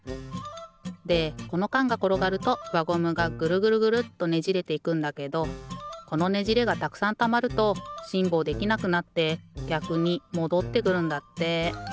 でこのかんがころがるとわゴムがぐるぐるぐるっとねじれていくんだけどこのねじれがたくさんたまるとしんぼうできなくなってぎゃくにもどってくるんだって。